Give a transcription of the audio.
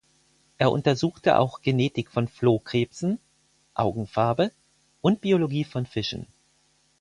Er untersuchte auch Genetik von Flohkrebsen (Augenfarbe) und Biologie von Fischen.